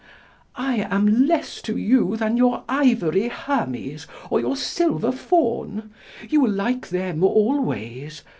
"I am less to you than your ivory Hermes or your silver Faun. You will like them always.